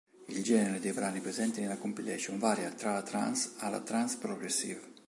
Il genere dei brani presenti nelle compilation varia tra la trance alla trance-progressive.